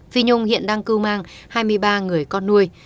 phi nhung hiện đang cưu mang hai mươi ba người con nuôi